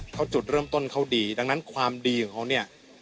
เขาจุดเริ่มต้นเขาดีดังนั้นความดีของเขาเนี่ย